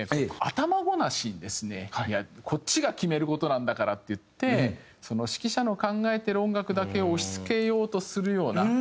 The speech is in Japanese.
頭ごなしにですねいやこっちが決める事なんだからって言って指揮者の考えてる音楽だけを押し付けようとするような。